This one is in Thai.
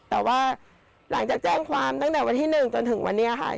แต่ว่าหลังจากแจ้งความตั้งแต่วันที่๑จนถึงวันนี้ค่ะ